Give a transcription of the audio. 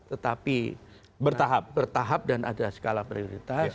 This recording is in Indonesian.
tetapi bertahap dan ada skala prioritas